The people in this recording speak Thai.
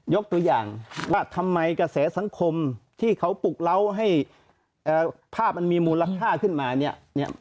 ยกตัวอย่างว่าทำไมกระแสสังคมที่เขาปลุกเล้าให้ภาพมันมีมูลค่าขึ้นมาเนี่ย